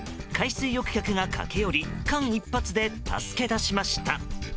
海水浴客が駆け寄り間一髪で助け出しました。